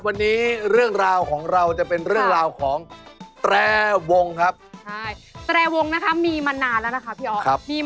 วันนี้เรื่องราวของเรา